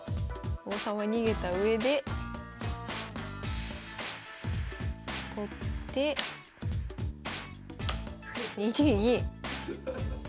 王様逃げたうえで取って２二銀。